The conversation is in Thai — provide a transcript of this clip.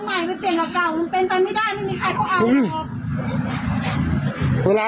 เอาใหม่ไปเปลี่ยนกับเก่ามันเปลี่ยนตามไม่ได้ไม่มีใครเขาเอาอ่ะ